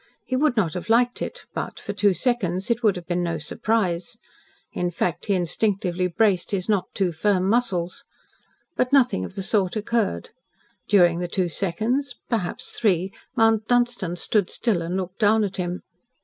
He would not have liked it, but for two seconds it would have been no surprise. In fact, he instinctively braced his not too firm muscles. But nothing of the sort occurred. During the two seconds perhaps three Mount Dunstan stood still and looked down at him.